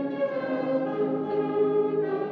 lagu kebangsaan indonesia raya